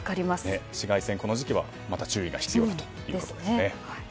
紫外線、この時期はまだ注意が必要ということですね。